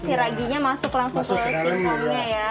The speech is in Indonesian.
siraginya masuk langsung ke singkongnya ya